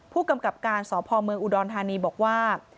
ผู้กำกับการสพเมืองอุดรธานีบอกว่า